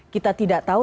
kita tidak tahu